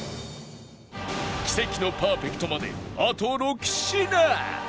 奇跡のパーフェクトまであと６品！